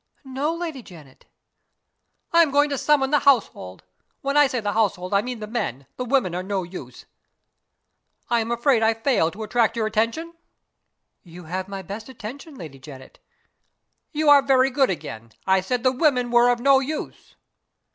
"No, Lady Janet." "I am going to summon the household. When I say the household, I mean the men; the women are no use. I am afraid I fail to attract your attention?" "You have my best attention, Lady Janet." "You are very good again. I said the women were of no use."